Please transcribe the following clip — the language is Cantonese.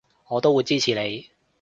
我都會支持你